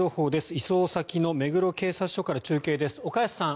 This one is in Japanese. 移送先の目黒警察署から中継です岡安さん